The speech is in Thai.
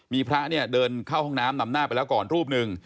มีพระเนี่ยเดินเข้าห้องน้ำนำหน้าไปแล้วก่อนรูปหนึ่ง